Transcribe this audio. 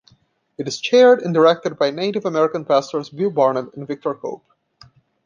It is chaired and directed by Native American pastors Bill Barnett and Victor Cope.